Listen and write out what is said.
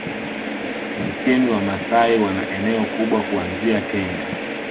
Kumbukeni Wamasai wana eneo kubwa kuanzia Kenya